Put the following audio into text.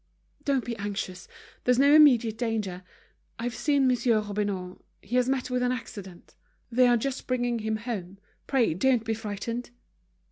"Don't be anxious, there's no immediate danger. I've seen Monsieur Robineau, he has met with an accident. They are just bringing him home, pray don't be frightened."